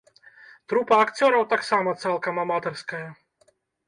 Трупа акцёраў таксама цалкам аматарская.